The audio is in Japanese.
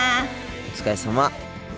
お疲れさま。